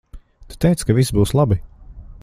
Tu teici ka viss būs labi.